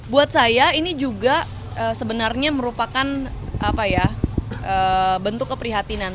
buat saya ini juga sebenarnya merupakan bentuk keprihatinan